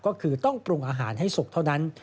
ก็คือต้องปรุงอาหารให้สุกเท่านั้น